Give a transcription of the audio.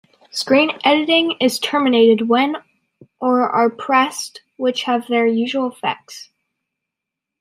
Screen editing is terminated when or are pressed, which have their usual effects.